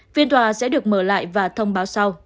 phiên tòa sẽ được mở lại và thông báo sau